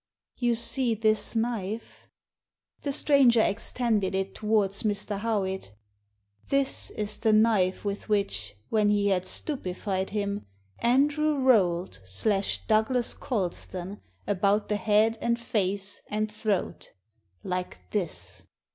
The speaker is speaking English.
You see this knife?" The stranger extended it towards Mr. Howitt "This is the knife with which, when he had stupefied him, Andrew Rolt slashed Douglas Colston about the head and face and throat like this!"